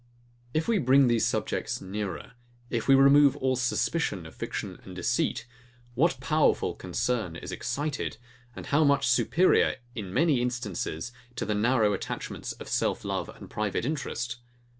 If we bring these subjects nearer: If we remove all suspicion of fiction and deceit: What powerful concern is excited, and how much superior, in many instances, to the narrow attachments of self love and private interest!